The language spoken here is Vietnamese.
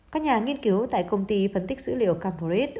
các nhà nghiên cứu tại công ty phân tích dữ liệu canporit